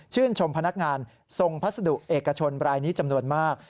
ชมพนักงานทรงพัสดุเอกชนรายนี้จำนวนมาก